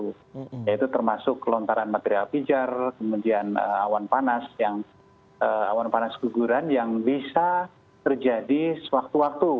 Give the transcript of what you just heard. yaitu termasuk kelontaran material pijar kemudian awan panas awan panas guguran yang bisa terjadi sewaktu waktu